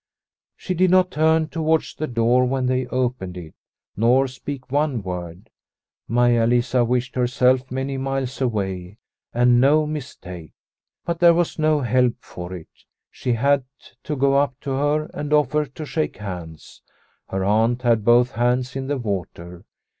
She did not turn towards the door when they opened it, nor speak one word. Maia Lisa wished herself many miles away, and no mis take. But there was no help for it ; she had to go up to her and offer to shake hands. Her aunt had both hands in the water.